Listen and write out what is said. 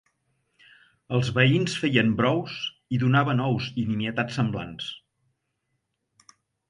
I els veïns feien brous i donaven ous i nimietats semblants.